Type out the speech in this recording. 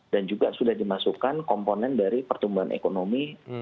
dan juga sudah dimasukkan komponen dari pertumbuhan ekonomi